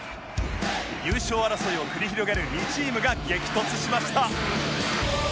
優勝争いを繰り広げる２チームが激突しました